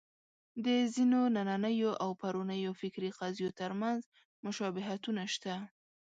د ځینو نننیو او پرونیو فکري قضیو تر منځ مشابهتونه شته.